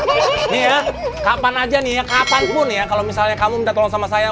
kamu lihat aja nih ya kapanpun ya kalau misalnya kamu minta tolong sama saya